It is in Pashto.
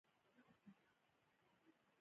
ورزشکاران تل ځوان معلومیږي.